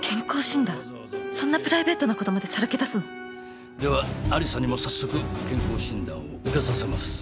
そんなプライベートなことまでさらけ出すの？では有沙にも早速健康診断を受けさせます。